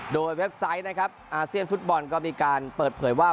โดยเว็บไซต์นะครับอาเซียนฟุตบอลก็มีการเปิดเผยว่า